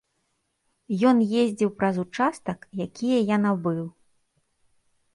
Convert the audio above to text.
Ён ездзіў праз участак, якія я набыў.